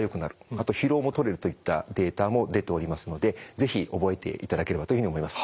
あと疲労もとれるといったデータも出ておりますので是非覚えていただければというふうに思います。